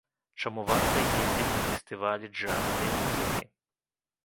Чаму варта ездзіць на фестывалі джазавай музыкі?